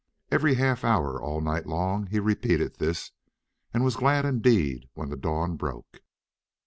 Every half hour all night long he repeated this, and was glad indeed when the dawn broke.